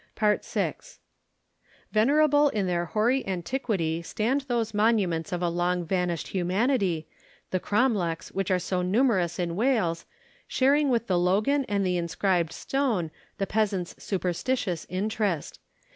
VI. [Illustration: THE FAIRY FROLIC AT THE CROMLECH.] Venerable in their hoary antiquity stand those monuments of a long vanished humanity, the cromlechs which are so numerous in Wales, sharing with the logan and the inscribed stone the peasant's superstitious interest.